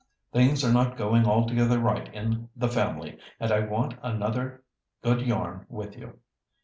Things are not going altogether right in the family, and I want another good yarn with you.